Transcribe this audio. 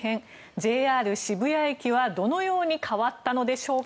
ＪＲ渋谷駅はどのように変わったのでしょうか。